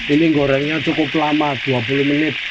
ini gorengnya cukup lama dua puluh menit